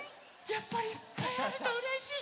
やっぱりいっぱいあるとうれしい！